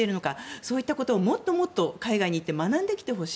そういうことをもっともっと海外に行って学んできてほしい。